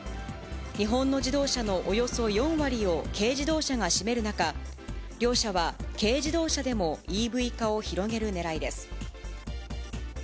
日本の自動車のおよそ４割を軽自動車が占める中、両社は軽自動車でもＥＶ化を広げるねらいです。